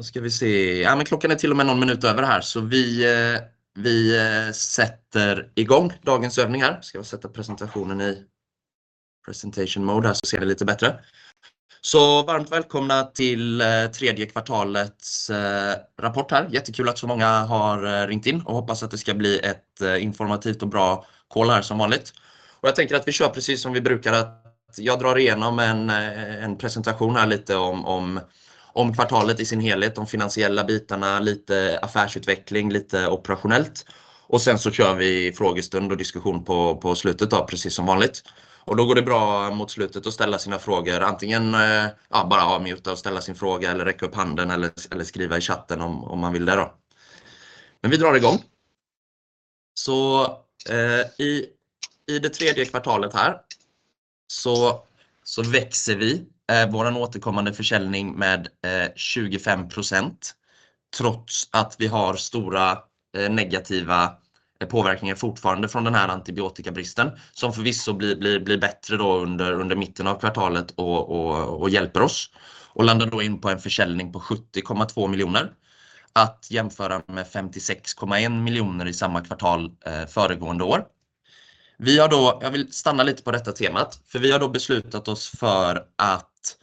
Då ska vi se, ja men klockan är till och med någon minut över här, så vi sätter igång dagens övning här. Ska jag sätta presentationen i presentationsläge här så ser ni lite bättre. Så varmt välkomna till tredje kvartalets rapport här. Jättekul att så många har ringt in och hoppas att det ska bli ett informativt och bra samtal här som vanligt. Jag tänker att vi kör precis som vi brukar, att jag drar igenom en presentation här lite om kvartalet i sin helhet, de finansiella bitarna, lite affärsutveckling, lite operationellt. Sen så kör vi frågestund och diskussion på slutet då, precis som vanligt. Då går det bra mot slutet att ställa sina frågor, antingen bara avmuta och ställa sin fråga eller räcka upp handen eller skriva i chatten om man vill det då. Men vi drar igång. I det tredje kvartalet här växer vi vår återkommande försäljning med 25% trots att vi har stora negativa påverkningar fortfarande från den här antibiotikabristen som förvisso blir bättre under mitten av kvartalet och hjälper oss och landar in på en försäljning på 70,2 miljoner att jämföra med 56,1 miljoner i samma kvartal föregående år. Vi har beslutat oss för att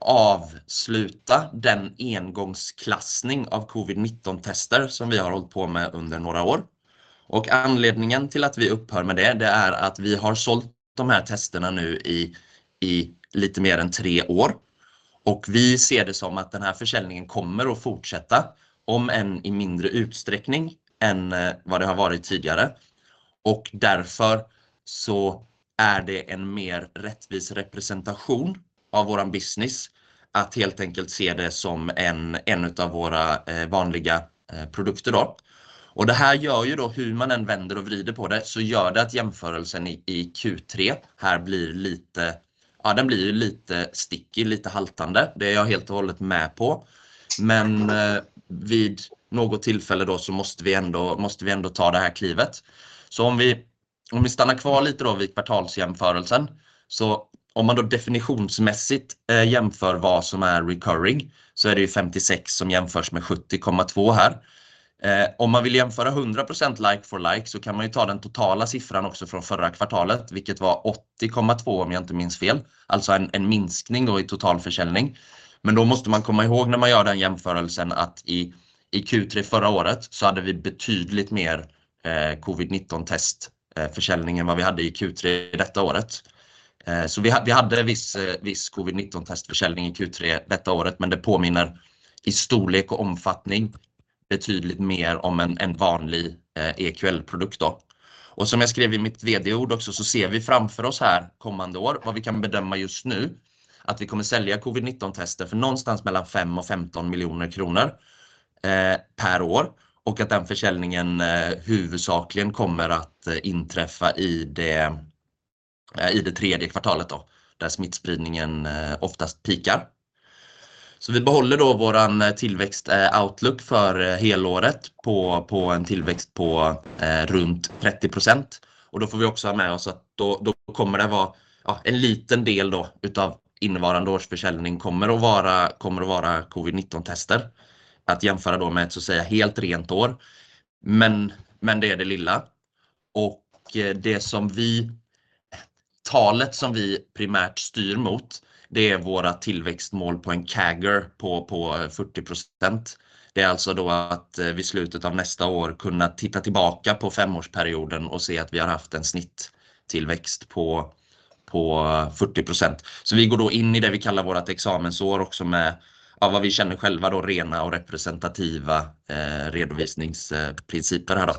avsluta den engångsklassning av covid-19-tester som vi har hållit på med under några år. Anledningen till att vi upphör med det är att vi har sålt de här testerna nu i lite mer än tre år och vi ser det som att den här försäljningen kommer att fortsätta om än i mindre utsträckning än vad det har varit tidigare. Och därför så är det en mer rättvis representation av vår business att helt enkelt se det som en av våra vanliga produkter då. Och det här gör ju då, hur man än vänder och vrider på det så gör det att jämförelsen i Q3 här blir lite, ja den blir ju lite sticky, lite haltande. Det är jag helt och hållet med på. Men vid något tillfälle då så måste vi ändå, måste vi ändå ta det här klivet. Så om vi stannar kvar lite då vid kvartalsjämförelsen så om man då definitionsmässigt jämför vad som är recurring så är det ju 56 som jämförs med 70,2 här. Om man vill jämföra 100% like for like så kan man ju ta den totala siffran också från förra kvartalet vilket var 80,2 om jag inte minns fel, alltså en minskning då i totalförsäljning. Men då måste man komma ihåg när man gör den jämförelsen att i Q3 förra året så hade vi betydligt mer COVID-19-testförsäljning än vad vi hade i Q3 detta året. Vi hade viss COVID-19-testförsäljning i Q3 detta året men det påminner i storlek och omfattning betydligt mer om en vanlig EQL-produkt då. Och som jag skrev i mitt VD-ord också så ser vi framför oss här kommande år vad vi kan bedöma just nu att vi kommer sälja COVID-19-tester för någonstans mellan 5 och 15 miljoner kronor per år och att den försäljningen huvudsakligen kommer att inträffa i det tredje kvartalet då där smittspridningen oftast peakar. Så vi behåller då vår tillväxt outlook för helåret på en tillväxt på runt 30% och då får vi också ha med oss att då kommer det vara en liten del då utav innevarande årsförsäljning kommer att vara covid-19-tester att jämföra då med ett så att säga helt rent år. Men det är det lilla. Det som vi primärt styr mot det är våra tillväxtmål på en CAGR på 40%. Det är alltså då att vid slutet av nästa år kunna titta tillbaka på femårsperioden och se att vi har haft en snittillväxt på 40%. Så vi går då in i det vi kallar vårt examensår också med vad vi känner själva då rena och representativa redovisningsprinciper här då.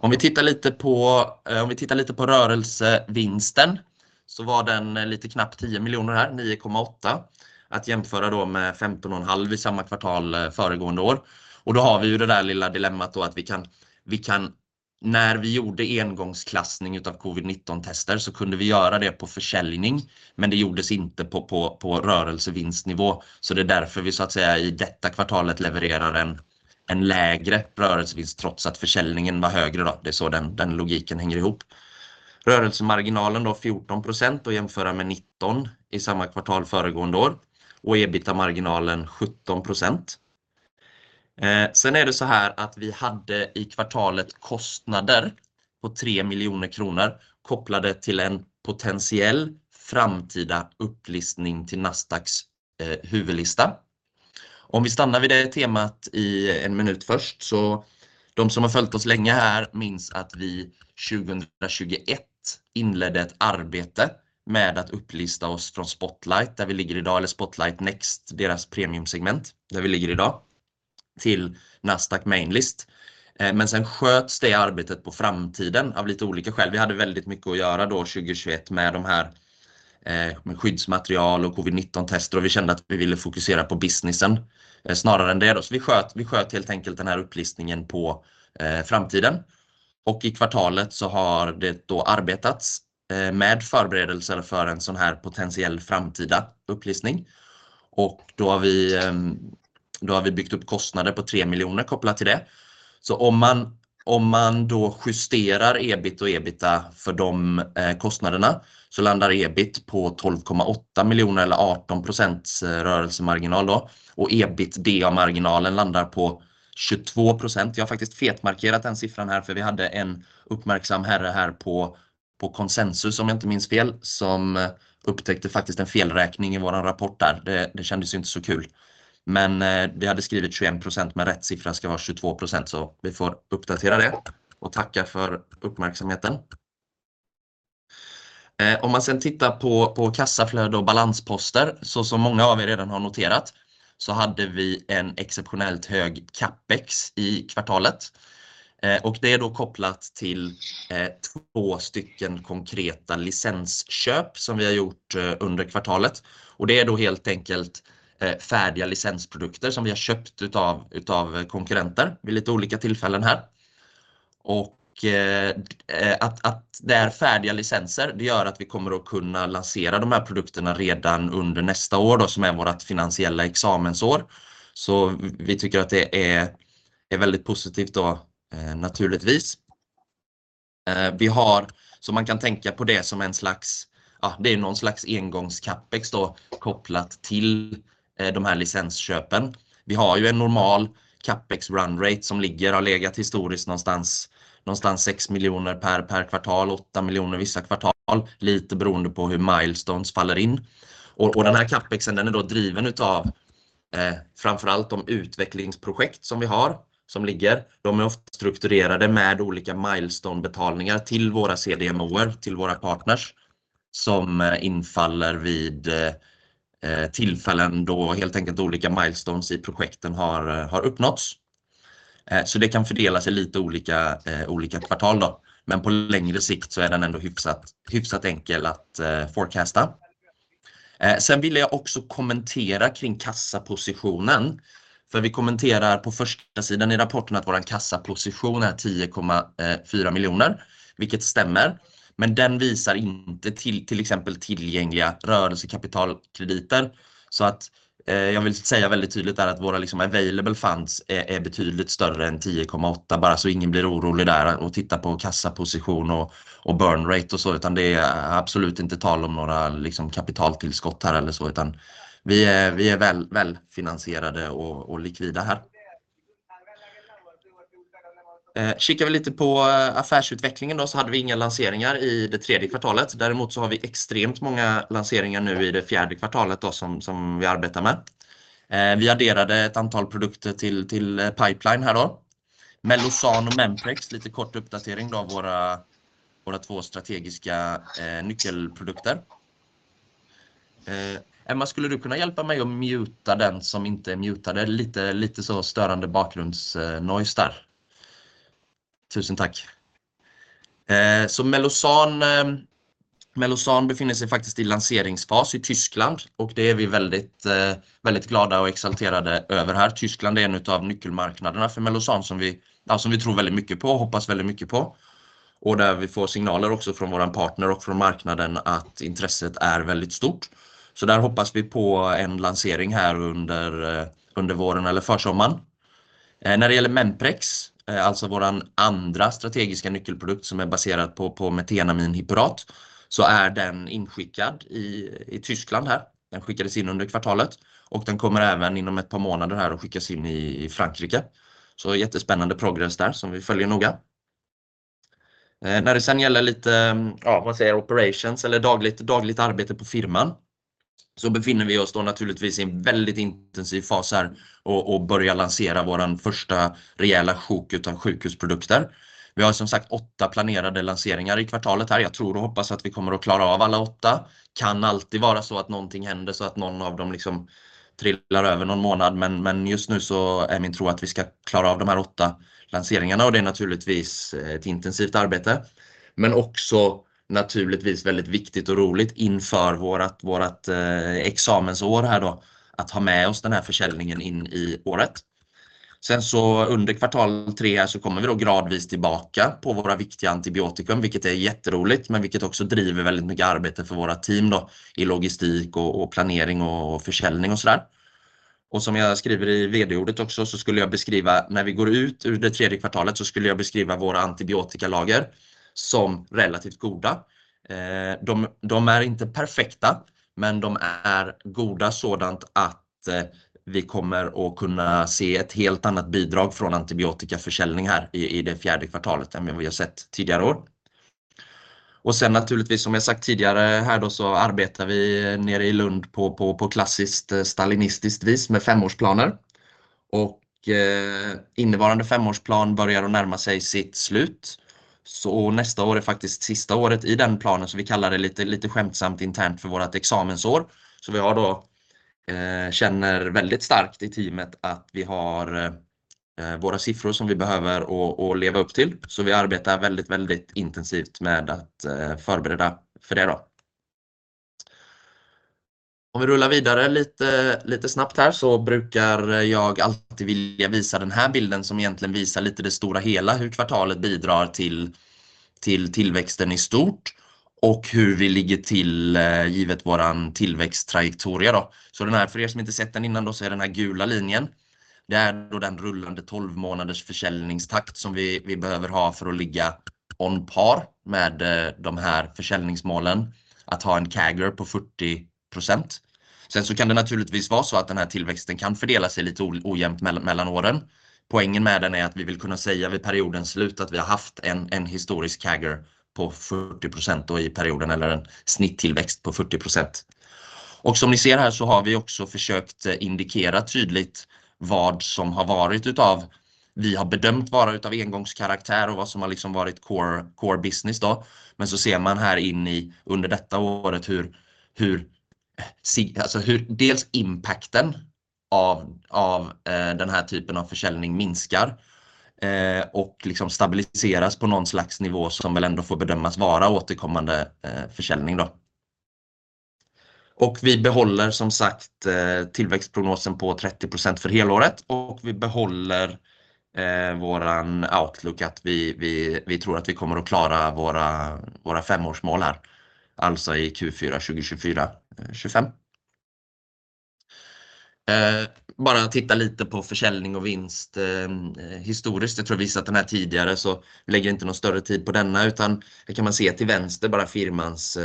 Om vi tittar lite på rörelsevinsten så var den lite knappt 10 miljoner här, 9,8 att jämföra då med 15,5 i samma kvartal föregående år. Då har vi det där lilla dilemmat då att vi kan, när vi gjorde engångsklassning utav COVID-19-tester så kunde vi göra det på försäljning men det gjordes inte på rörelsevinstnivå. Så det är därför vi så att säga i detta kvartalet levererar en lägre rörelsevinst trots att försäljningen var högre då. Det är så den logiken hänger ihop. Rörelsemarginalen då 14% att jämföra med 19% i samma kvartal föregående år och EBITDA-marginalen 17%. Sen är det så här att vi hade i kvartalet kostnader på 3 miljoner kronor kopplade till en potentiell framtida upplistning till Nasdaqs huvudlista. Om vi stannar vid det temat i en minut först så de som har följt oss länge här minns att vi 2021 inledde ett arbete med att upplista oss från Spotlight där vi ligger idag eller Spotlight Next, deras premiumsegment där vi ligger idag, till Nasdaq Mainlist. Men sen sköts det arbetet på framtiden av lite olika skäl. Vi hade väldigt mycket att göra då 2021 med de här med skyddsmaterial och COVID-19-tester och vi kände att vi ville fokusera på businessen snarare än det då. Så vi sköt helt enkelt den här upplistningen på framtiden. Och i kvartalet så har det då arbetats med förberedelser för en sådan här potentiell framtida upplistning. Och då har vi byggt upp kostnader på 3 miljoner kronor kopplat till det. Om man då justerar EBIT och EBITDA för de kostnaderna så landar EBIT på 12,8 miljoner eller 18% rörelsemarginal då. EBITDA-marginalen landar på 22%. Jag har faktiskt fetmarkerat den siffran här för vi hade en uppmärksam herre här på Consensus om jag inte minns fel som upptäckte faktiskt en felräkning i vår rapport där. Det kändes ju inte så kul. Men vi hade skrivit 21% men rätt siffra ska vara 22% så vi får uppdatera det och tacka för uppmärksamheten. Om man sen tittar på kassaflöde och balansposter så som många av er redan har noterat så hade vi en exceptionellt hög capex i kvartalet. Det är då kopplat till två stycken konkreta licensköp som vi har gjort under kvartalet. Och det är då helt enkelt färdiga licensprodukter som vi har köpt utav konkurrenter vid lite olika tillfällen här. Att det är färdiga licenser det gör att vi kommer att kunna lansera de här produkterna redan under nästa år då som är vårt finansiella examensår. Så vi tycker att det är väldigt positivt då naturligtvis. Vi har så man kan tänka på det som en slags, ja det är någon slags engångscapex då kopplat till de här licensköpen. Vi har ju en normal capex runrate som ligger har legat historiskt någonstans 6 miljoner per kvartal, 8 miljoner vissa kvartal lite beroende på hur milestones faller in. Den här capexen den är då driven utav framförallt de utvecklingsprojekt som vi har som ligger. De är ofta strukturerade med olika milestone-betalningar till våra CDMO:er, till våra partners som infaller vid tillfällen då olika milestones i projekten har uppnåtts. Det kan fördela sig lite olika kvartal då. Men på längre sikt så är den hyfsat enkel att forecasta. Sen ville jag också kommentera kring kassapositionen för vi kommenterar på förstasidan i rapporten att vår kassaposition är 10,4 miljoner vilket stämmer. Men den visar inte till exempel tillgängliga rörelsekapitalkrediter. Jag vill säga väldigt tydligt där att våra available funds är betydligt större än 10,8 bara så ingen blir orolig där och tittar på kassaposition och burnrate. Det är absolut inte tal om några kapitaltillskott här. Vi är välfinansierade och likvida här. Kikar vi lite på affärsutvecklingen då så hade vi inga lanseringar i det tredje kvartalet. Däremot så har vi extremt många lanseringar nu i det fjärde kvartalet då som vi arbetar med. Vi adderade ett antal produkter till pipeline här då. Melosan och Memprex, lite kort uppdatering då av våra två strategiska nyckelprodukter. Emma, skulle du kunna hjälpa mig att muta den som inte är mutad? Det är lite störande bakgrundsnoise där. Tusen tack. Melosan befinner sig faktiskt i lanseringsfas i Tyskland och det är vi väldigt glada och exalterade över här. Tyskland är en utav nyckelmarknaderna för Melosan som vi tror väldigt mycket på och hoppas väldigt mycket på. Där vi får signaler också från vår partner och från marknaden att intresset är väldigt stort. Så där hoppas vi på en lansering här under våren eller försommaren. När det gäller Memprex, alltså vår andra strategiska nyckelprodukt som är baserad på metenamin-hyperat, så är den inskickad i Tyskland här. Den skickades in under kvartalet och den kommer även inom ett par månader här att skickas in i Frankrike. Så jättespännande progress där som vi följer noga. När det sen gäller lite, ja vad man säger, operations eller dagligt arbete på firman så befinner vi oss då naturligtvis i en väldigt intensiv fas här och börjar lansera vår första rejäla chock utav sjukhusprodukter. Vi har som sagt åtta planerade lanseringar i kvartalet här. Jag tror och hoppas att vi kommer att klara av alla åtta. Kan alltid vara så att någonting händer så att någon av dem liksom trillar över någon månad. Men just nu så är min tro att vi ska klara av de här åtta lanseringarna och det är naturligtvis ett intensivt arbete. Men också naturligtvis väldigt viktigt och roligt inför vårt examensår här då att ha med oss den här försäljningen in i året. Sen så under kvartal tre här så kommer vi då gradvis tillbaka på våra viktiga antibiotika vilket är jätteroligt men vilket också driver väldigt mycket arbete för vårt team då i logistik och planering och försäljning och så där. Och som jag skriver i VD-ordet också så skulle jag beskriva när vi går ut ur det tredje kvartalet så skulle jag beskriva våra antibiotikalager som relativt goda. De de är inte perfekta men de är goda sådant att vi kommer att kunna se ett helt annat bidrag från antibiotikaförsäljning här i det fjärde kvartalet än vad vi har sett tidigare år. Och sen naturligtvis som jag sagt tidigare här då så arbetar vi nere i Lund på klassiskt stalinistiskt vis med femårsplaner. Och innevarande femårsplan börjar att närma sig sitt slut. Så nästa år är faktiskt sista året i den planen så vi kallar det lite skämtsamt internt för vårt examensår. Så vi har då känner väldigt starkt i teamet att vi har våra siffror som vi behöver och leva upp till. Så vi arbetar väldigt intensivt med att förbereda för det då. Om vi rullar vidare lite snabbt här så brukar jag alltid vilja visa den här bilden som egentligen visar lite det stora hela, hur kvartalet bidrar till tillväxten i stort och hur vi ligger till givet vår tillväxtbana då. Så den här för som inte sett den innan då så är den här gula linjen. Det är då den rullande tolvmånaders försäljningstakt som vi behöver ha för att ligga on par med de här försäljningsmålen. Att ha en CAGR på 40%. Sen så kan det naturligtvis vara så att den här tillväxten kan fördela sig lite ojämnt mellan åren. Poängen med den är att vi vill kunna säga vid periodens slut att vi har haft en historisk CAGR på 40% då i perioden eller en snittillväxt på 40%. Och som ni ser här så har vi också försökt indikera tydligt vad som har varit utav vi har bedömt vara utav engångskaraktär och vad som har liksom varit core business då. Men så ser man här under detta året hur impacten av den här typen av försäljning minskar och liksom stabiliseras på någon slags nivå som väl ändå får bedömas vara återkommande försäljning då. Och vi behåller som sagt tillväxtprognosen på 30% för helåret och vi behåller vår outlook att vi tror att vi kommer att klara våra femårsmål här. Alltså i Q4 2024-25. Bara titta lite på försäljning och vinst historiskt. Jag tror jag visat den här tidigare så vi lägger inte någon större tid på denna utan här kan man se till vänster bara firmans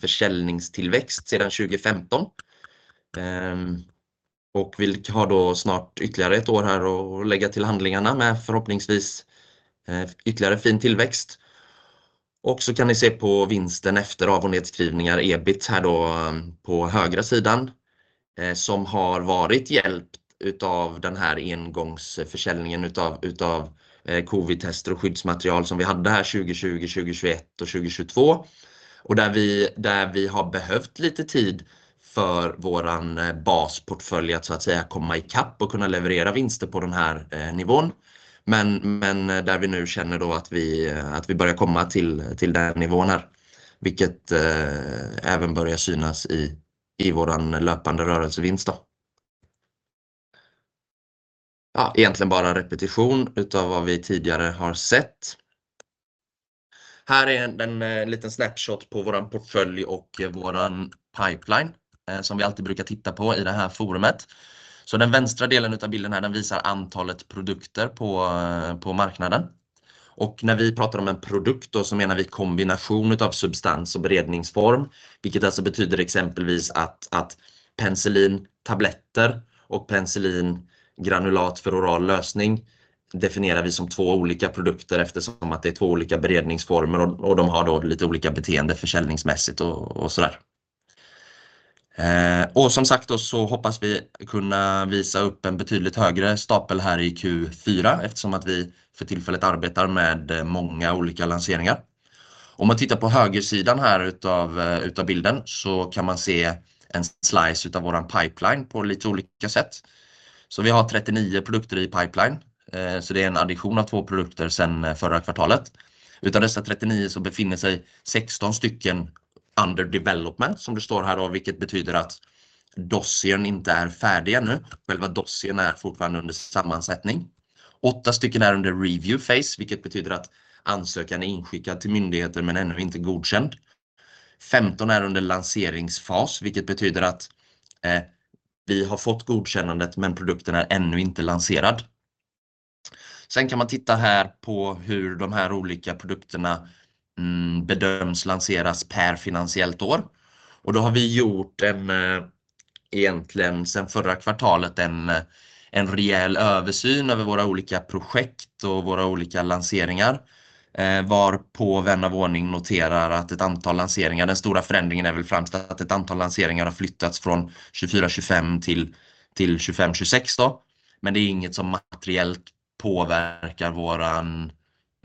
försäljningstillväxt sedan 2015. Och vill ha då snart ytterligare ett år här och lägga till handlingarna med förhoppningsvis ytterligare fin tillväxt. Och så kan ni se på vinsten efter av- och nedskrivningar, EBIT här då på högra sidan som har varit hjälpt utav den här engångsförsäljningen utav COVID-tester och skyddsmaterial som vi hade här 2020, 2021 och 2022. Och där vi där vi har behövt lite tid för vår basportfölj att så att säga komma ikapp och kunna leverera vinster på den här nivån. Men där vi nu känner då att vi att vi börjar komma till den nivån här. Vilket även börjar synas i vår löpande rörelsevinst då. Ja egentligen bara repetition utav vad vi tidigare har sett. Här är en liten snapshot på vår portfölj och vår pipeline som vi alltid brukar titta på i det här forumet. Den vänstra delen av bilden här visar antalet produkter på marknaden. När vi pratar om en produkt menar vi kombination av substans och beredningsform. Det betyder exempelvis att penicillintabletter och penicillingranulat för oral lösning definierar vi som två olika produkter eftersom det är två olika beredningsformer och de har lite olika beteende försäljningsmässigt. Vi hoppas kunna visa upp en betydligt högre stapel här i Q4 eftersom vi för tillfället arbetar med många olika lanseringar. Om man tittar på högersidan här av bilden kan man se en slice av vår pipeline på lite olika sätt. Vi har 39 produkter i pipeline så det är en addition av två produkter sen förra kvartalet. Utav dessa 39 så befinner sig 16 stycken under development som det står här då, vilket betyder att dosen inte är färdig ännu. Själva dosen är fortfarande under sammansättning. Åtta stycken är under review phase, vilket betyder att ansökan är inskickad till myndigheter men ännu inte godkänd. 15 är under lanseringsfas, vilket betyder att vi har fått godkännandet men produkten är ännu inte lanserad. Sen kan man titta här på hur de här olika produkterna bedöms lanseras per finansiellt år. Då har vi gjort en rejäl översyn över våra olika projekt och våra olika lanseringar sedan förra kvartalet, varpå man av ordning noterar att ett antal lanseringar, den stora förändringen är väl framställt att ett antal lanseringar har flyttats från 24-25 till 25-26 då. Men det är inget som materiellt påverkar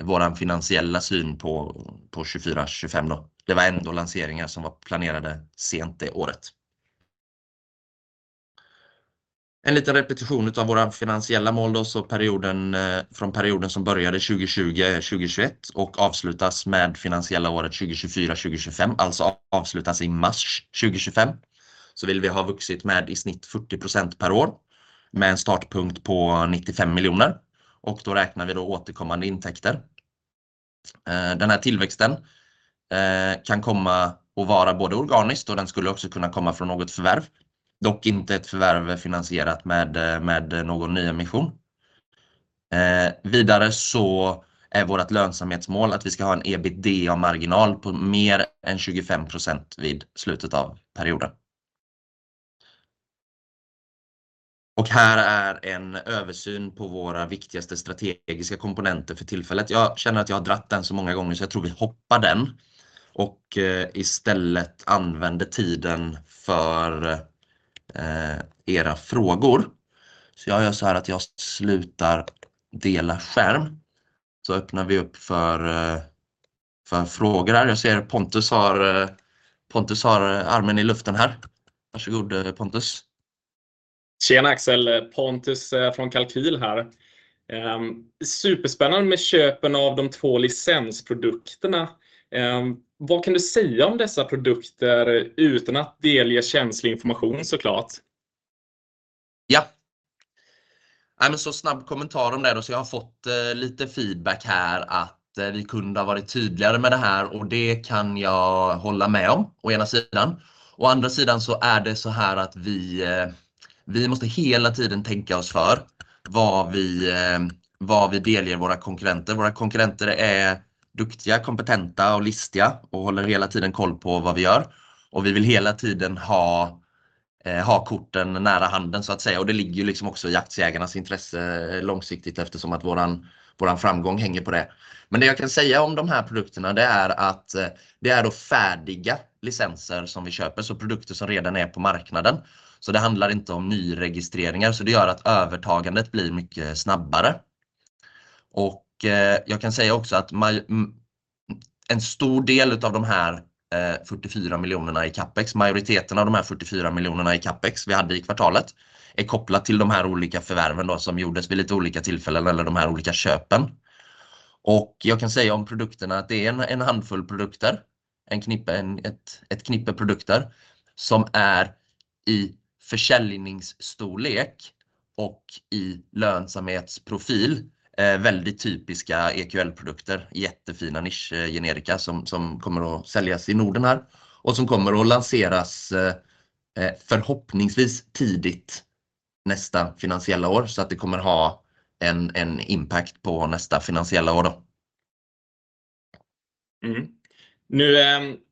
vår finansiella syn på 24-25 då. Det var ändå lanseringar som var planerade sent det året. En liten repetition av våra finansiella mål då så perioden från perioden som började 2020-2021 och avslutas med finansiella året 2024-2025 alltså avslutas i mars 2025 så vill vi ha vuxit med i snitt 40% per år med en startpunkt på 95 miljoner och då räknar vi då återkommande intäkter. Den här tillväxten kan komma och vara både organiskt och den skulle också kunna komma från något förvärv dock inte ett förvärv finansierat med någon nyemission. Vidare så är vårt lönsamhetsmål att vi ska ha en EBITDA-marginal på mer än 25% vid slutet av perioden. Här är en översyn på våra viktigaste strategiska komponenter för tillfället. Jag känner att jag har dragit den så många gånger så jag tror vi hoppar den och istället använder tiden för era frågor. Så jag gör så här att jag slutar dela skärm så öppnar vi upp för frågor här. Jag ser Pontus har armen i luften här. Varsågod Pontus. Tjena Axel, Pontus från Kalkyl här. Superspännande med köpen av de två licensprodukterna. Vad kan du säga om dessa produkter utan att delge känslig information såklart? Japp, nej men så snabb kommentar om det då så jag har fått lite feedback här att vi kunde ha varit tydligare med det här och det kan jag hålla med om å ena sidan. Å andra sidan så är det så här att vi måste hela tiden tänka oss för vad vi delger våra konkurrenter. Våra konkurrenter är duktiga, kompetenta och listiga och håller hela tiden koll på vad vi gör. Vi vill hela tiden ha korten nära handen så att säga. Och det ligger ju liksom också i aktieägarnas intresse långsiktigt eftersom att vår framgång hänger på det. Men det jag kan säga om de här produkterna det är att det är färdiga licenser som vi köper så produkter som redan är på marknaden. Så det handlar inte om nyregistreringar så det gör att övertagandet blir mycket snabbare. Och jag kan säga också att en stor del av de här 44 miljonerna i capex majoriteten av de här 44 miljonerna i capex vi hade i kvartalet är kopplat till de här olika förvärven som gjordes vid lite olika tillfällen eller de här olika köpen. Och jag kan säga om produkterna att det är en handfull produkter, ett knippe produkter som är i försäljningsstorlek och i lönsamhetsprofil väldigt typiska EQL-produkter, jättefina nischgenerika som kommer att säljas i Norden här och som kommer att lanseras förhoppningsvis tidigt nästa finansiella år så att det kommer ha en impact på nästa finansiella år då.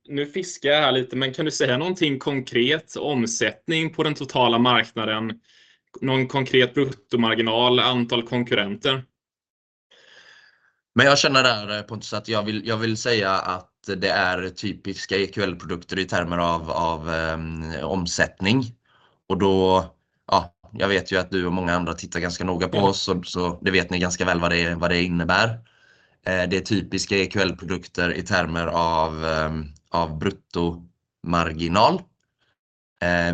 Nu fiskar jag här lite men kan du säga någonting konkret, omsättning på den totala marknaden, någon konkret bruttomarginal, antal konkurrenter? Men jag känner där Pontus att jag vill säga att det är typiska EQL-produkter i termer av omsättning och då ja, jag vet ju att du och många andra tittar ganska noga på oss och så det vet ni ganska väl vad det innebär. Det är typiska EQL-produkter i termer av bruttomarginal,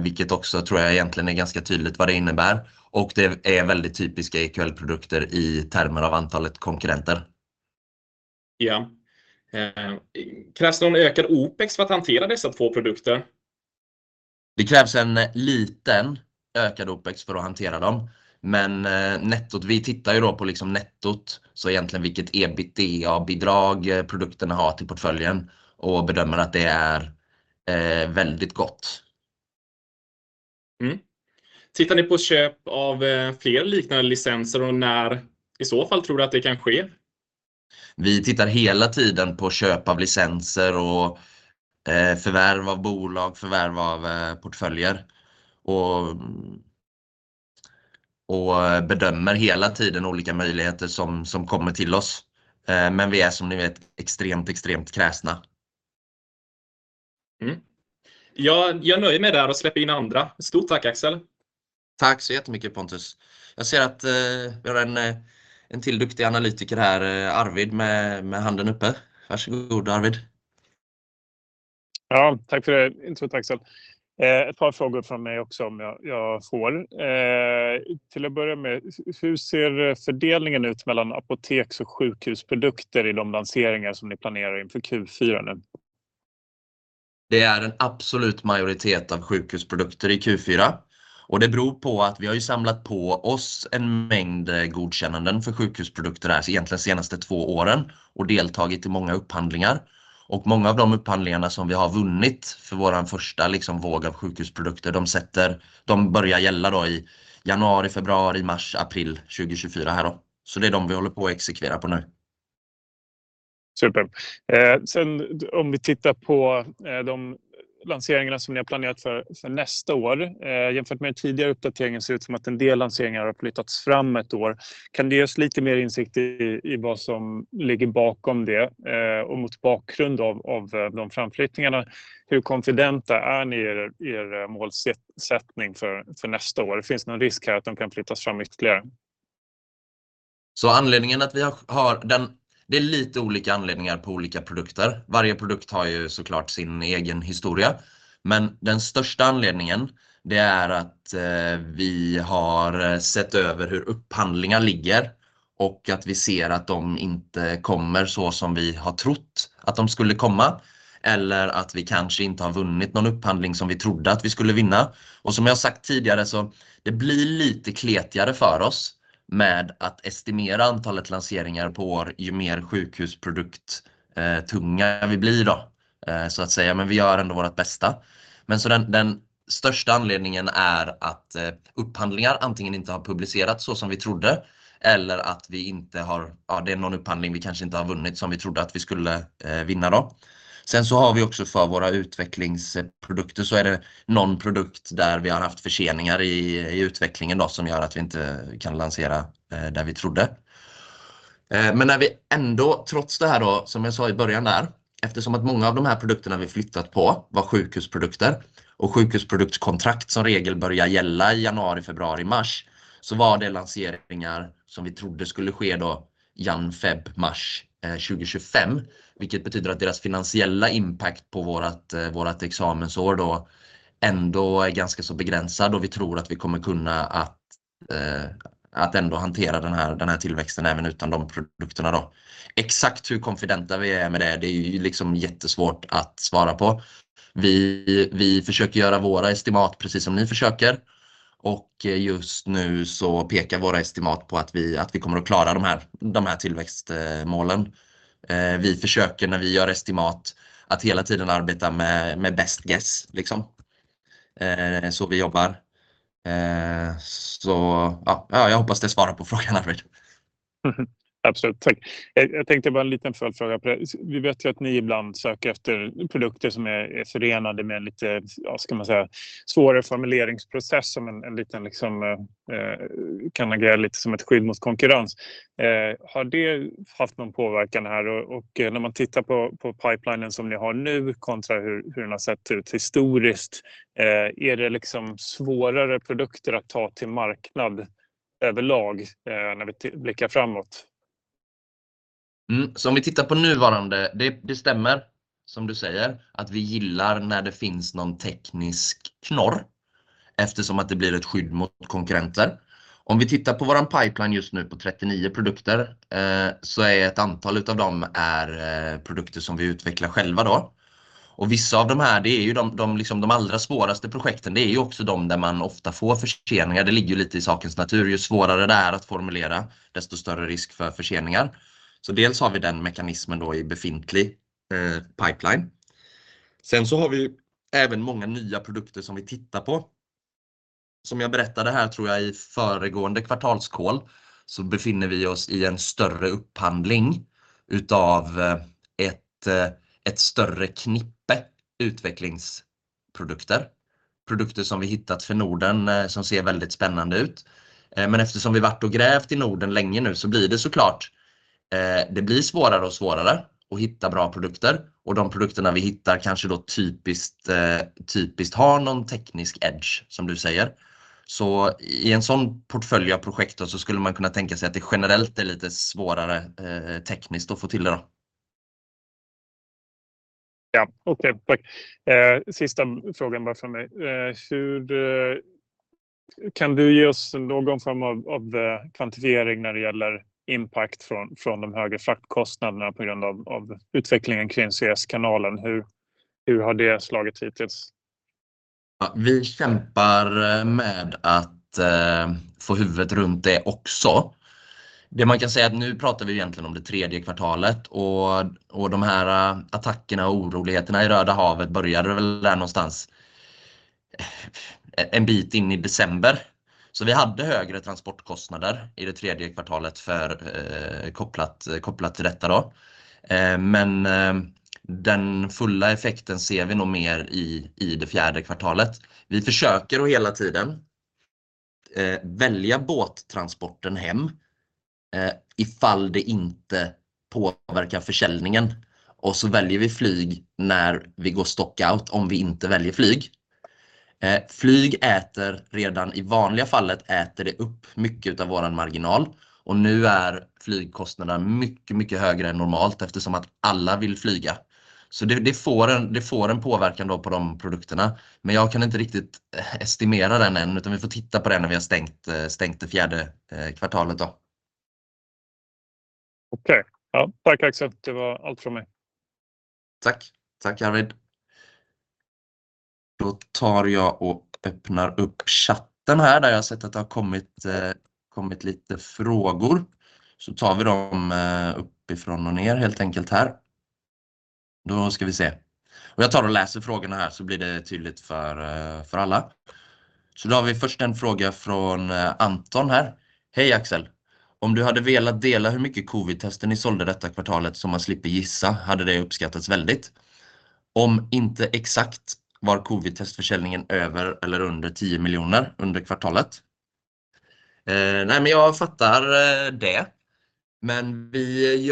vilket också tror jag egentligen är ganska tydligt vad det innebär, och det är väldigt typiska EQL-produkter i termer av antalet konkurrenter. Krävs det någon ökad OPEX för att hantera dessa två produkter? Det krävs en liten ökad OPEX för att hantera dem, men nettot vi tittar ju då på, liksom nettot, så egentligen vilket EBITDA-bidrag produkterna har till portföljen och bedömer att det är väldigt gott. Tittar ni på köp av fler liknande licenser och när i så fall tror du att det kan ske? Vi tittar hela tiden på köp av licenser och förvärv av bolag, förvärv av portföljer och bedömer hela tiden olika möjligheter som kommer till oss. Men vi är som ni vet extremt kräsna. Jag nöjer mig där och släpper in andra. Stort tack Axel. Tack så jättemycket Pontus. Jag ser att vi har en till duktig analytiker här, Arvid, med handen uppe. Varsågod Arvid. Ja, tack för det introt Axel. Ett par frågor från mig också om jag får. Till att börja med, hur ser fördelningen ut mellan apoteks- och sjukhusprodukter i de lanseringar som ni planerar inför Q4 nu? Det är en absolut majoritet av sjukhusprodukter i Q4 och det beror på att vi har samlat på oss en mängd godkännanden för sjukhusprodukter här egentligen senaste två åren och deltagit i många upphandlingar. Många av de upphandlingarna som vi har vunnit för vår första våg av sjukhusprodukter, de börjar gälla i januari, februari, mars, april 2024 här då. Så det är de vi håller på och exekverar på nu. Super. Sen om vi tittar på de lanseringar som ni har planerat för nästa år jämfört med den tidigare uppdateringen ser det ut som att en del lanseringar har flyttats fram ett år. Kan du ge oss lite mer insikt i vad som ligger bakom det och mot bakgrund av framflyttningarna, hur konfidenta är ni i målsättningen för nästa år? Det finns någon risk här att de kan flyttas fram ytterligare. Anledningen att vi har det är lite olika anledningar på olika produkter. Varje produkt har såklart sin egen historia. Men den största anledningen det är att vi har sett över hur upphandlingar ligger och att vi ser att de inte kommer så som vi har trott att de skulle komma eller att vi kanske inte har vunnit någon upphandling som vi trodde att vi skulle vinna. Och som jag har sagt tidigare så det blir lite kletigare för oss med att estimera antalet lanseringar på år ju mer sjukhusprodukt tunga vi blir då så att säga. Men vi gör ändå vårt bästa. Men så den största anledningen är att upphandlingar antingen inte har publicerats så som vi trodde eller att vi inte har, ja det är någon upphandling vi kanske inte har vunnit som vi trodde att vi skulle vinna då. Sen så har vi också för våra utvecklingsprodukter så är det någon produkt där vi har haft förseningar i utvecklingen då som gör att vi inte kan lansera där vi trodde. Men när vi ändå trots det här då som jag sa i början där eftersom att många av de här produkterna vi flyttat på var sjukhusprodukter och sjukhusproduktkontrakt som regel börjar gälla i januari februari mars så var det lanseringar som vi trodde skulle ske då jan feb mars 2025 vilket betyder att deras finansiella impact på vårat vårat examensår då ändå är ganska så begränsad och vi tror att vi kommer kunna att att ändå hantera den här den här tillväxten även utan de produkterna då. Exakt hur konfidenta vi är med det det är ju liksom jättesvårt att svara på. Vi vi försöker göra våra estimat precis som ni försöker och just nu så pekar våra estimat på att vi att vi kommer att klara de här de här tillväxtmålen. Vi försöker när vi gör estimat att hela tiden arbeta med med best guess liksom. Så vi jobbar. Så ja, ja jag hoppas det svarar på frågan Arvid. Absolut, tack. Jag tänkte bara en liten följdfråga. Vi vet ju att ni ibland söker efter produkter som är förenade med en lite, ja ska man säga, svårare formuleringsprocess som kan agera lite som ett skydd mot konkurrens. Har det haft någon påverkan här och när man tittar på pipelinen som ni har nu kontra hur den har sett ut historiskt, är det liksom svårare produkter att ta till marknad överlag när vi blickar framåt? Om vi tittar på nuvarande, det stämmer som du säger att vi gillar när det finns någon teknisk knorr eftersom att det blir ett skydd mot konkurrenter. Om vi tittar på vår pipeline just nu på 39 produkter så är ett antal utav dem produkter som vi utvecklar själva då. Och vissa av de här, det är ju de allra svåraste projekten. Det är ju också de där man ofta får förseningar. Det ligger ju lite i sakens natur - ju svårare det är att formulera, desto större risk för förseningar. Så dels har vi den mekanismen då i befintlig pipeline. Sen så har vi ju även många nya produkter som vi tittar på. Som jag berättade här, tror jag i föregående kvartalskål, så befinner vi oss i en större upphandling utav ett större knippe utvecklingsprodukter. Produkter som vi hittat för Norden som ser väldigt spännande ut. Men eftersom vi har varit och grävt i Norden länge nu så blir det såklart, det blir svårare och svårare att hitta bra produkter och de produkterna vi hittar kanske då typiskt har någon teknisk edge som du säger. Så i en sådan portfölj av projekt då så skulle man kunna tänka sig att det generellt är lite svårare tekniskt att få till det då. Ja okej tack. Sista frågan bara från mig. Hur kan du ge oss någon form av kvantifiering när det gäller impact från de högre fraktkostnaderna på grund av utvecklingen kring Röda havet-kanalen? Hur har det slagit hittills? Ja vi kämpar med att få huvudet runt det också. Det man kan säga är att nu pratar vi ju egentligen om det tredje kvartalet och de här attackerna och oroligheterna i Röda havet började väl där någonstans en bit in i december. Vi hade högre transportkostnader i det tredje kvartalet kopplade till detta då. Men den fulla effekten ser vi nog mer i det fjärde kvartalet. Vi försöker då hela tiden välja båttransporten hem ifall det inte påverkar försäljningen, och så väljer vi flyg när vi går stockout om vi inte väljer flyg. Flyg äter redan i vanliga fallet äter det upp mycket utav vår marginal, och nu är flygkostnaderna mycket mycket högre än normalt eftersom att alla vill flyga. Så det får en påverkan då på de produkterna, men jag kan inte riktigt estimera den än utan vi får titta på det när vi har stängt det fjärde kvartalet då. Okej ja, tack Axel, det var allt från mig. Tack tack Arvid. Då tar jag och öppnar upp chatten här där jag har sett att det har kommit lite frågor, så tar vi dem uppifrån och ner helt enkelt här. Då ska vi se och jag tar och läser frågorna här så blir det tydligt för alla. Så då har vi först en fråga från Anton här. Hej Axel, om du hade velat dela hur mycket covidtester ni sålde detta kvartal så man slipper gissa, hade det uppskattats väldigt. Om inte exakt, var covidtestförsäljningen över eller under 10 miljoner under kvartalet? Nej men jag fattar det, men vi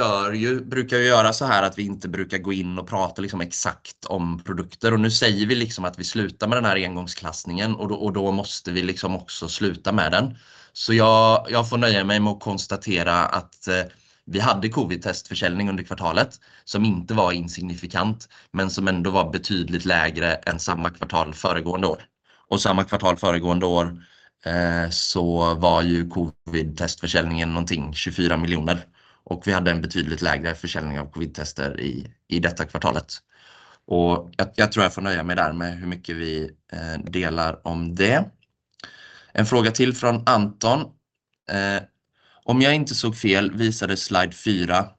brukar ju göra så här att vi inte brukar gå in och prata exakt om produkter och nu säger vi att vi slutar med den här engångsklassningen och då måste vi också sluta med den. Så jag får nöja mig med att konstatera att vi hade covidtestförsäljning under kvartalet som inte var insignifikant men som ändå var betydligt lägre än samma kvartal föregående år. Samma kvartal föregående år så var ju covidtestförsäljningen någonting 24 miljoner och vi hade en betydligt lägre försäljning av covidtester i detta kvartal. Och jag tror jag får nöja mig där med hur mycket vi delar om det. En fråga till från Anton. Om jag inte såg fel visade slide fyra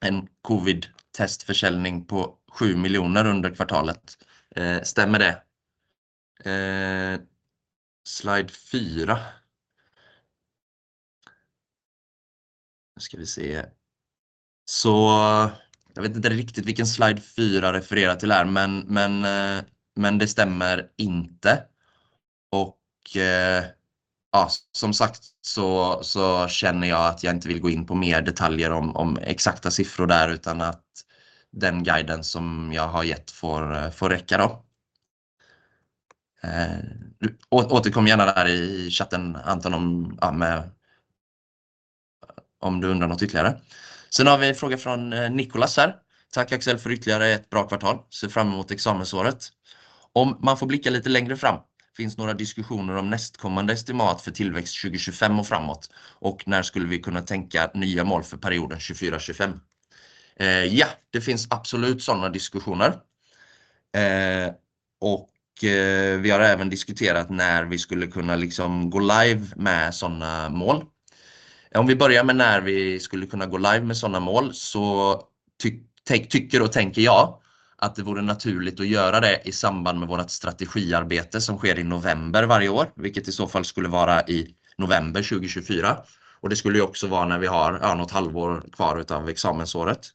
en covidtestförsäljning på 7 miljoner under kvartalet. Stämmer det? Slide fyra. Nu ska vi se. Så jag vet inte riktigt vilken slide fyra refererar till här men det stämmer inte. Och ja som sagt så känner jag att jag inte vill gå in på mer detaljer om exakta siffror där utan att den guiden som jag har gett får räcka då. Nu återkom gärna där i chatten Anton om du undrar något ytterligare. Sen har vi en fråga från Nikolas här. Tack Axel för ytterligare ett bra kvartal. Ser fram emot examensåret. Om man får blicka lite längre fram finns några diskussioner om nästkommande estimat för tillväxt 2025 och framåt, och när skulle vi kunna tänka nya mål för perioden 24-25? Ja, det finns absolut sådana diskussioner, och vi har även diskuterat när vi skulle kunna gå live med sådana mål. Om vi börjar med när vi skulle kunna gå live med sådana mål så tycker och tänker jag att det vore naturligt att göra det i samband med vårt strategiarbete som sker i november varje år, vilket i så fall skulle vara i november 2024, och det skulle ju också vara när vi har något halvår kvar av examensåret.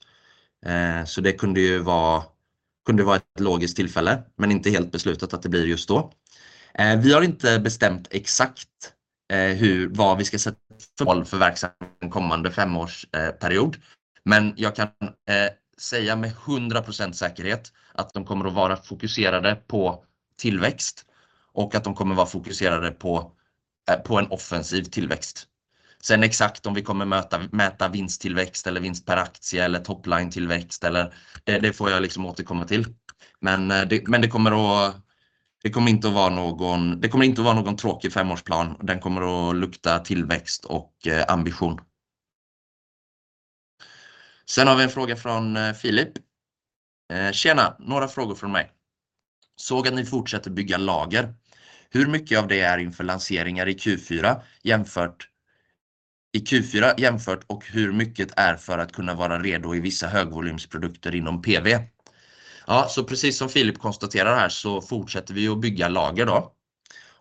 Det kunde ju vara ett logiskt tillfälle men inte helt beslutat att det blir just då. Vi har inte bestämt exakt hur, vad vi ska sätta för mål för verksamheten kommande femårsperiod, men jag kan säga med 100% säkerhet att de kommer att vara fokuserade på tillväxt och att de kommer vara fokuserade på en offensiv tillväxt. Sen exakt om vi kommer möta, mäta vinsttillväxt eller vinst per aktie eller topline-tillväxt eller det, det får jag återkomma till. Men det kommer att, det kommer inte att vara någon tråkig femårsplan och den kommer att lukta tillväxt och ambition. Sen har vi en fråga från Filip. Tjena, några frågor från mig. Såg att ni fortsätter bygga lager. Hur mycket av det är inför lanseringar i Q4 jämfört med Q4, och hur mycket är för att kunna vara redo i vissa högvolymsprodukter inom PV? Ja, så precis som Filip konstaterar här så fortsätter vi ju att bygga lager då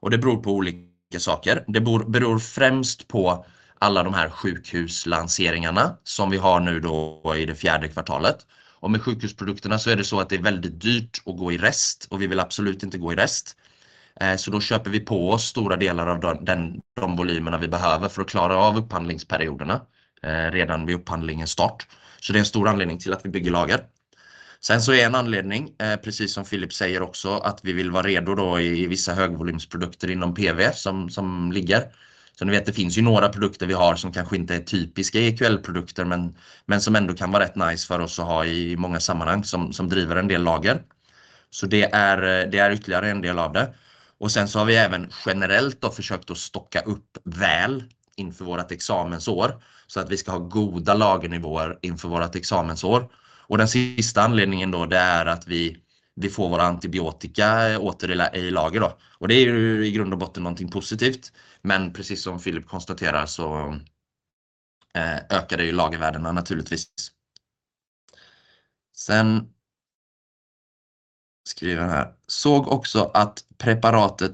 och det beror på olika saker. Det beror främst på alla de här sjukhuslanseringarna som vi har nu då i det fjärde kvartalet. Och med sjukhusprodukterna så är det så att det är väldigt dyrt att gå i rest och vi vill absolut inte gå i rest. Så då köper vi på oss stora delar av de volymerna vi behöver för att klara av upphandlingsperioderna redan vid upphandlingens start. Så det är en stor anledning till att vi bygger lager. Sen så är en anledning precis som Filip säger också att vi vill vara redo då i vissa högvolymsprodukter inom PV som ligger. Så ni vet det finns ju några produkter vi har som kanske inte är typiska EQL-produkter men som ändå kan vara rätt nice för oss att ha i många sammanhang som driver en del lager. Det är ytterligare en del av det. Sen så har vi även generellt försökt att stocka upp väl inför vårt examensår så att vi ska ha goda lagernivåer inför vårt examensår. Den sista anledningen är att vi får våra antibiotika åter i lager. Det är ju i grund och botten något positivt men precis som Filip konstaterar så ökade ju lagervärdena naturligtvis. Sen skriver han här. Såg också att preparatet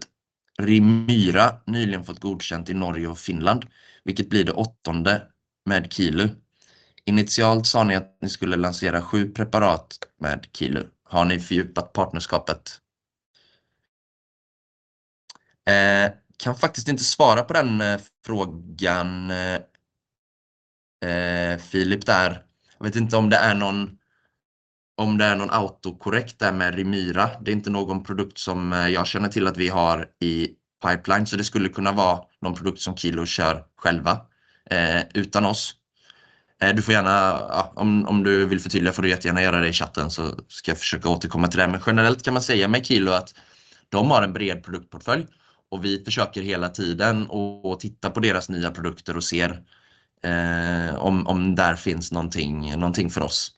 Rimyra nyligen fått godkänt i Norge och Finland vilket blir det åttonde med Kilu. Initialt sa ni att ni skulle lansera sju preparat med Kilu. Har ni fördjupat partnerskapet? Kan faktiskt inte svara på den frågan, Filip där. Jag vet inte om det är någon, om det är någon autokorrigering där med Rimyra. Det är inte någon produkt som jag känner till att vi har i pipeline, så det skulle kunna vara någon produkt som Kilo kör själva utan oss. Du får gärna, ja om du vill förtydliga får du jättegärna göra det i chatten så ska jag försöka återkomma till det. Men generellt kan man säga med Kilo att de har en bred produktportfölj och vi försöker hela tiden att titta på deras nya produkter och ser om där finns någonting för oss.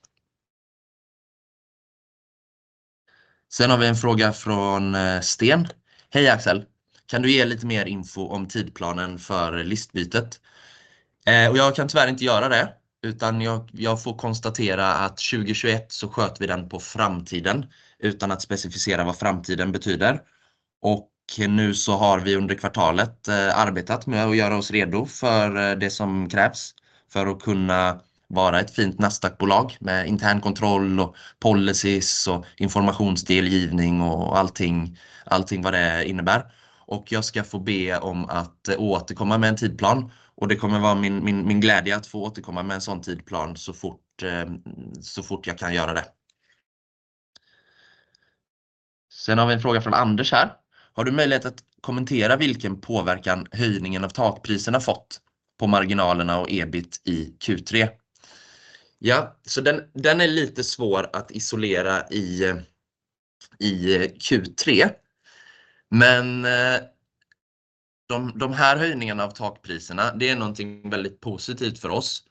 Sen har vi en fråga från Sten. Hej Axel, kan du ge lite mer info om tidplanen för listbytet? Och jag kan tyvärr inte göra det utan jag får konstatera att 2021 så sköt vi den på framtiden utan att specificera vad framtiden betyder. Och nu så har vi under kvartalet arbetat med att göra oss redo för det som krävs för att kunna vara ett fint Nasdaq-bolag med internkontroll och policies och informationsdelgivning och allting vad det innebär. Och jag ska få be om att återkomma med en tidplan och det kommer vara min glädje att få återkomma med en sådan tidplan så fort jag kan göra det. Sen har vi en fråga från Anders här. Har du möjlighet att kommentera vilken påverkan höjningen av takpriserna fått på marginalerna och EBIT i Q3? Ja så den är lite svår att isolera i Q3 men de här höjningarna av takpriserna det är någonting väldigt positivt för oss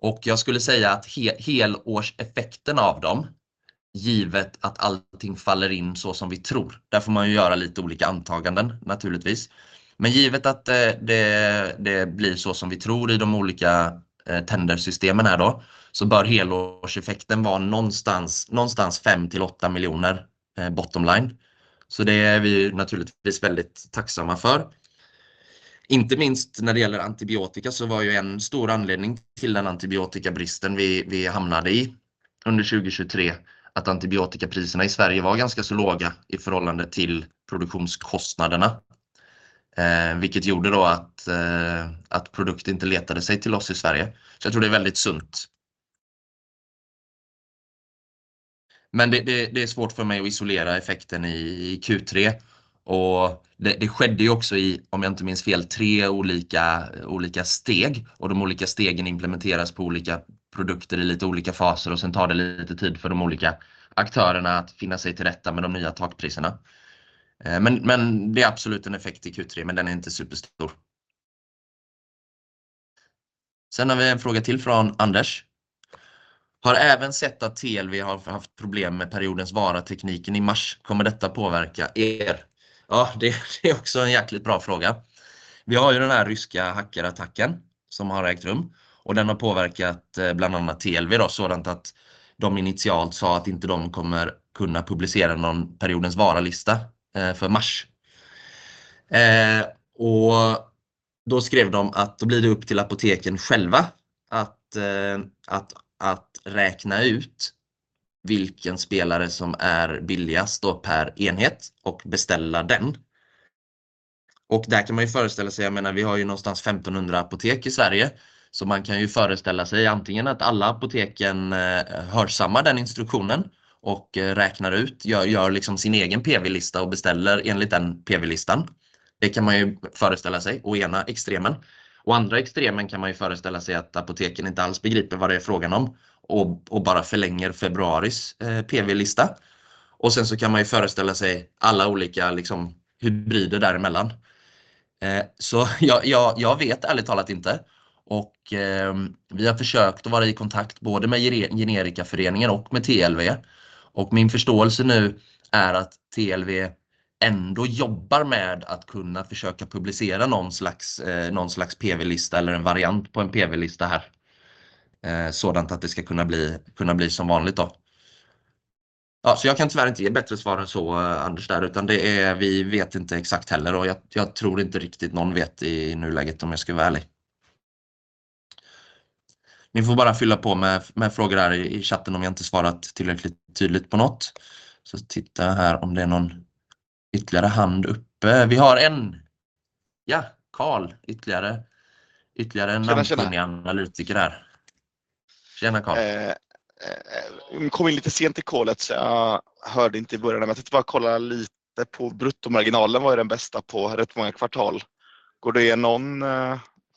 och jag skulle säga att helårseffekten av dem givet att allting faller in så som vi tror. Där får man ju göra lite olika antaganden naturligtvis. Men givet att det blir så som vi tror i de olika tendersystemen här då så bör helårseffekten vara någonstans fem till åtta miljoner bottom line. Så det är vi naturligtvis väldigt tacksamma för. Inte minst när det gäller antibiotika så var ju en stor anledning till den antibiotikabristen vi hamnade i under 2023 att antibiotikapriserna i Sverige var ganska så låga i förhållande till produktionskostnaderna, vilket gjorde då att produkten inte letade sig till oss i Sverige. Så jag tror det är väldigt sunt. Men det är svårt för mig att isolera effekten i Q3 och det skedde ju också i, om jag inte minns fel, tre olika steg och de olika stegen implementeras på olika produkter i lite olika faser och sen tar det lite tid för de olika aktörerna att finna sig till rätta med de nya takpriserna. Men det är absolut en effekt i Q3 men den är inte superstor. Sen har vi en fråga till från Anders. Har även sett att TLV har haft problem med periodens varatekniken i mars. Kommer detta påverka? Ja det är också en jäkligt bra fråga. Vi har ju den här ryska hackerattacken som har ägt rum och den har påverkat bland annat TLV då sådant att de initialt sa att inte de kommer kunna publicera någon periodens varalista för mars. Och då skrev de att då blir det upp till apoteken själva att räkna ut vilken spelare som är billigast då per enhet och beställa den. Och där kan man ju föreställa sig, jag menar vi har ju någonstans 1500 apotek i Sverige så man kan ju föreställa sig antingen att alla apoteken hörsammar den instruktionen och räknar ut, gör sin egen PV-lista och beställer enligt den PV-listan. Det kan man ju föreställa sig i ena extremen. I andra extremen kan man ju föreställa sig att apoteken inte alls begriper vad det är frågan om och bara förlänger februaris PV-lista. Sen så kan man ju föreställa sig alla olika hybrider däremellan. Så jag vet ärligt talat inte och vi har försökt att vara i kontakt både med Generikaföreningen och med TLV och min förståelse nu är att TLV ändå jobbar med att kunna försöka publicera någon slags PV-lista eller en variant på en PV-lista här, sådant att det ska kunna bli som vanligt då. Ja så jag kan tyvärr inte ge bättre svar än så Anders där utan det är vi vet inte exakt heller och jag tror inte riktigt någon vet i nuläget om jag ska vara ärlig. Ni får bara fylla på med frågor här i chatten om jag inte svarat tillräckligt tydligt på något. Så tittar jag här om det är någon ytterligare hand uppe. Vi har en ja Karl ytterligare en annan känd analytiker här. Tjena Karl. Kom in lite sent i samtalet så jag hörde inte i början, men jag tänkte bara kolla lite på bruttomarginalen. Den var ju den bästa på rätt många kvartal. Går det att ge någon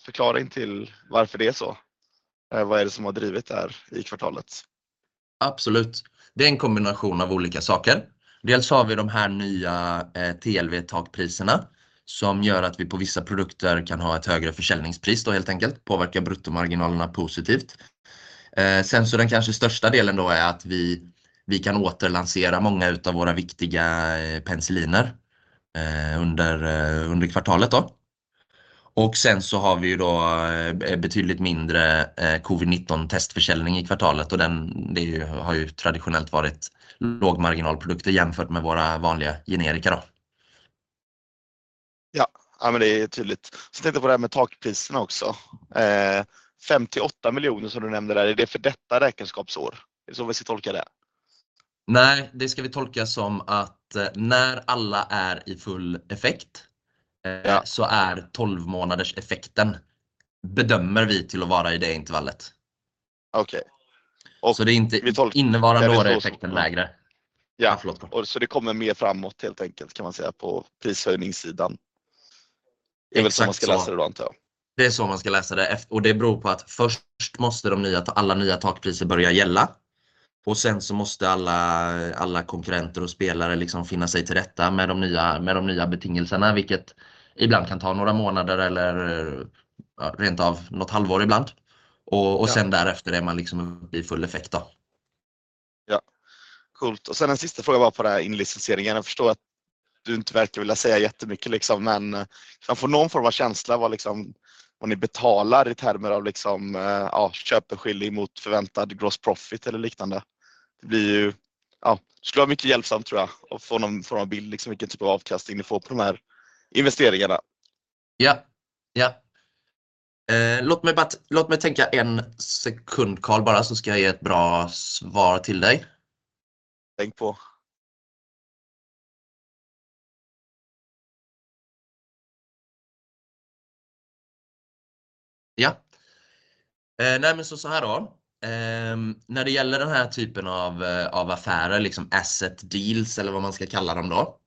förklaring till varför det är så? Vad är det som har drivit det här i kvartalet? Absolut. Det är en kombination av olika saker. Dels har vi de här nya TLV-takpriserna som gör att vi på vissa produkter kan ha ett högre försäljningspris, då det helt enkelt påverkar bruttomarginalerna positivt. Sen så är den kanske största delen då att vi kan återlansera många av våra viktiga penicilliner under kvartalet då. Sen så har vi ju då betydligt mindre COVID-19-testförsäljning i kvartalet, och det är ju traditionellt varit lågmarginalprodukter jämfört med våra vanliga generika då. Ja, men det är tydligt. Sen tänkte jag på det här med takpriserna också. 58 miljoner som du nämnde där, är det för detta räkenskapsår? Är det så vi ska tolka det? Nej, det ska vi tolka som att när alla är i full effekt så är 12 månaders effekten bedömer vi till att vara i det intervallet. Okej. Det är inte innevarande års effekten lägre. Ja förlåt, kort. Det kommer mer framåt helt enkelt kan man säga på prishöjningssidan. Det är väl så man ska läsa det då antar jag. Det är så man ska läsa det efter och det beror på att först måste de nya ta alla nya takpriser börja gälla och sen så måste alla konkurrenter och spelare liksom finna sig till rätta med de nya betingelserna vilket ibland kan ta några månader eller ja rent av något halvår ibland. Sen därefter är man liksom uppe i full effekt då. Ja coolt. Och sen en sista fråga bara på det här inlicensieringen. Jag förstår att du inte verkar vilja säga jättemycket liksom men kan få någon form av känsla vad liksom vad ni betalar i termer av liksom ja köpeskilling mot förväntad gross profit eller liknande. Det blir ju ja det skulle vara mycket hjälpsamt tror jag att få någon form av bild liksom vilken typ av avkastning ni får på de här investeringarna. Ja ja. Låt mig bara låt mig tänka en sekund Karl bara så ska jag ge ett bra svar till dig. Tänk på. Ja. Nej men så så här då. När det gäller den här typen av affärer liksom asset deals eller vad man ska kalla dem då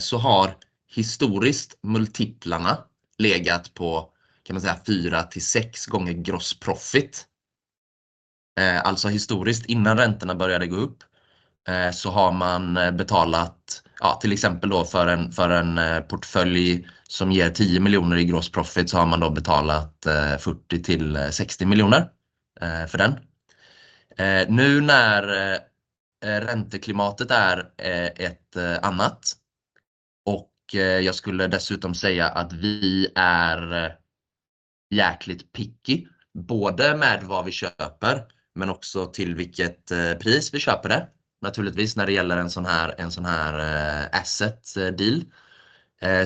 så har historiskt multiplarna legat på kan man säga fyra till sex gånger gross profit. Alltså historiskt innan räntorna började gå upp så har man betalat, ja till exempel då för en portfölj som ger 10 miljoner i gross profit så har man då betalat 40 till 60 miljoner för den. Nu när ränteklimatet är ett annat och jag skulle dessutom säga att vi är jäkligt picky både med vad vi köper men också till vilket pris vi köper det naturligtvis. När det gäller en sådan här asset deal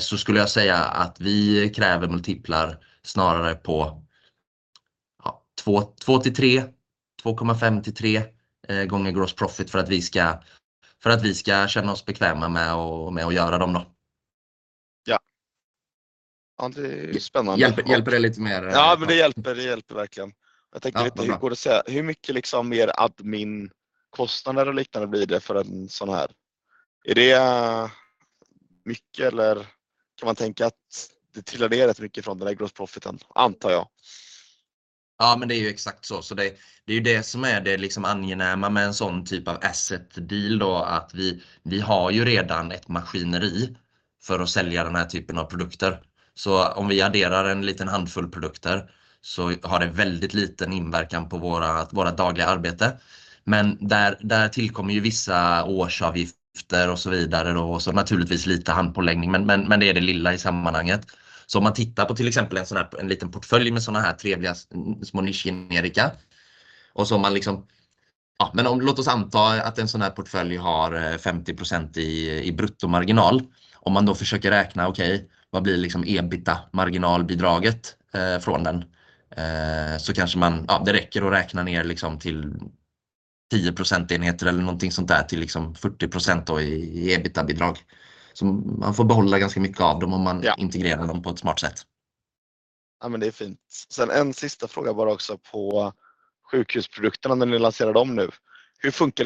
så skulle jag säga att vi kräver multiplar snarare på ja två till tre, 2,5 till tre gånger gross profit för att vi ska känna oss bekväma med att göra dem då. Ja det är spännande. Hjälper det lite mer? Ja men det hjälper verkligen. Jag tänkte lite hur går det att säga hur mycket liksom mer adminkostnader och liknande blir det för en sådan här? Är det mycket eller kan man tänka att det tillåter rätt mycket från den här gross profiten antar jag. Ja men det är ju exakt så. Det är ju det som är det angenäma med en sådan typ av asset deal då att vi har ju redan ett maskineri för att sälja den här typen av produkter. Så om vi adderar en liten handfull produkter så har det väldigt liten inverkan på vårt dagliga arbete. Men där tillkommer ju vissa årsavgifter och så vidare då och så naturligtvis lite handpåläggning men det är det lilla i sammanhanget. Så om man tittar på till exempel en sådan här liten portfölj med sådana här trevliga små nischgenerika, och så om man liksom, ja men om låt oss anta att en sådan här portfölj har 50% i bruttomarginal. Om man då försöker räkna okej vad blir liksom EBITDA-marginalbidraget från den så kanske man, ja det räcker att räkna ner liksom till 10 procentenheter eller någonting sådant där till liksom 40% då i EBITDA-bidrag. Så man får behålla ganska mycket av dem om man integrerar dem på ett smart sätt. Ja men det är fint. Sen en sista fråga bara också på sjukhusprodukterna när ni lanserar dem nu. Hur fungerar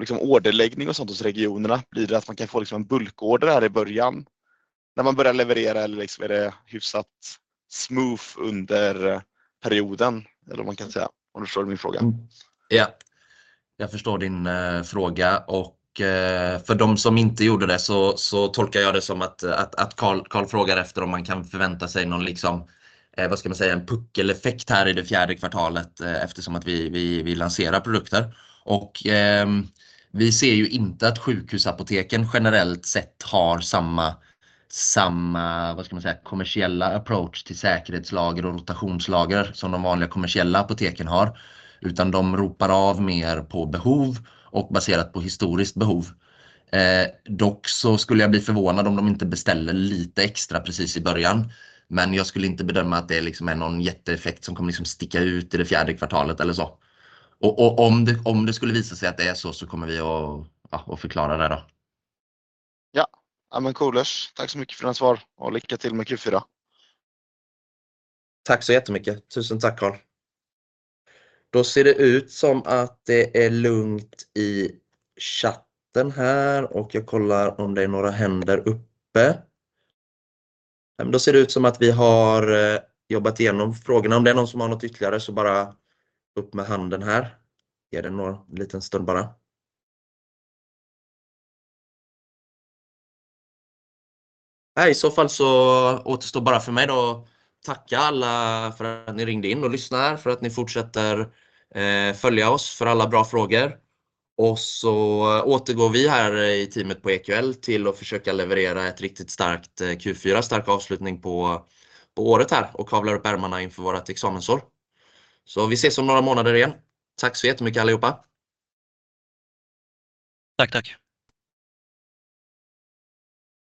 liksom orderläggning och sådant hos regionerna? Blir det att man kan få liksom en bulkorder här i början när man börjar leverera eller liksom är det hyfsat smooth under perioden eller vad man kan säga om du förstår min fråga? Ja jag förstår din fråga och för de som inte gjorde det så tolkar jag det som att Karl frågar efter om man kan förvänta sig någon liksom vad ska man säga en puckeleffekt här i det fjärde kvartalet eftersom att vi lanserar produkter. Vi ser ju inte att sjukhusapoteken generellt sett har samma kommersiella approach till säkerhetslager och rotationslager som de vanliga kommersiella apoteken har utan de ropar av mer på behov och baserat på historiskt behov. Dock så skulle jag bli förvånad om de inte beställer lite extra precis i början, men jag skulle inte bedöma att det liksom är någon jätteeffekt som kommer liksom sticka ut i det fjärde kvartalet eller så. Om det skulle visa sig att det är så, så kommer vi att förklara det då. Ja, men coolers. Tack så mycket för dina svar och lycka till med Q4. Tack så jättemycket. Tusen tack Karl. Då ser det ut som att det är lugnt i chatten här och jag kollar om det är några händer uppe. Nej, men då ser det ut som att vi har jobbat igenom frågorna. Om det är någon som har något ytterligare så bara upp med handen här. Ger det någon liten stund bara. Nej, i så fall så återstår bara för mig då att tacka alla för att ni ringde in och lyssnar, för att ni fortsätter följa oss, för alla bra frågor. Och så återgår vi här i teamet på EQL till att försöka leverera ett riktigt starkt Q4, stark avslutning på året här och kavla upp ärmarna inför vårt examensår. Så vi ses om några månader igen. Tack så jättemycket allihopa. Tack, tack.